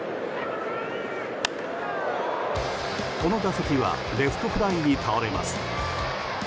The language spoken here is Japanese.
この打席はレフトフライに倒れます。